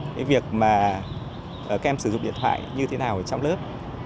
cái việc mà các em sử dụng điện thoại như thế nào trong lớp